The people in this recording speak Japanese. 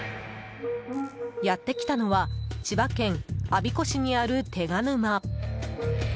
やってきたのは千葉県我孫子市にある手賀沼。